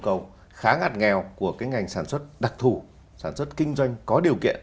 và đáp ứng được các yêu cầu khá ngặt nghèo của cái ngành sản xuất đặc thủ sản xuất kinh doanh có điều kiện